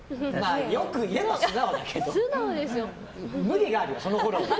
よく言えば素直だけど無理があるよ。